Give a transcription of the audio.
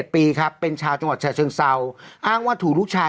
ปีครับเป็นชาวจังหวัดฉะเชิงเซาอ้างว่าถูกลูกชาย